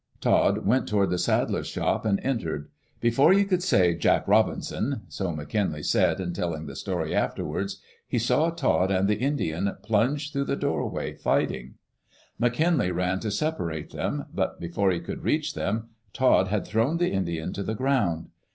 Todd went toward the saddler's shop and entered. Before you could say "Jack Robinson" — so McKinlay said in telling the story afterwards — he saw Todd and the Indian plunge through the doorway fighting, McKinlay ran to separate them, but before he could reach them, Todd had thrown the Indian to the ground.